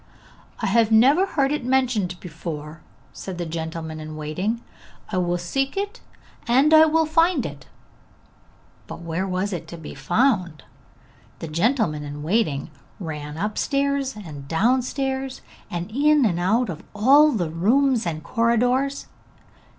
'I have never heard it mentioned before,' said the gentleman in waiting. 'I will seek it, and I will find it!' But where was it to be found? The gentleman in waiting ran upstairs and downstairs and in and out of all the rooms and corridors.